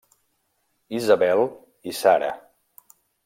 Isabel i Sara.